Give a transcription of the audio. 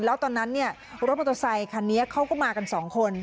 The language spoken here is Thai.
แล้วตอนนั้นเนี่ยรถมอเตอร์ไซคันนี้เขาก็มากันสองคน